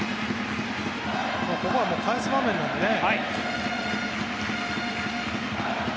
ここは返す場面なのでね。